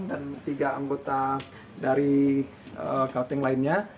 dan tiga anggota dari kalteng lainnya